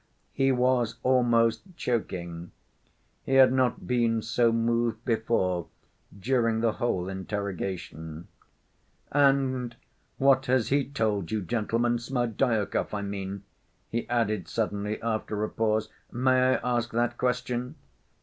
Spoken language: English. He was almost choking. He had not been so moved before during the whole interrogation. "And what has he told you, gentlemen—Smerdyakov, I mean?" he added suddenly, after a pause. "May I ask that question?"